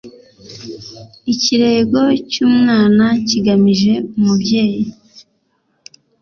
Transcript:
Ikirego cy’umwana kigamije umubyeyi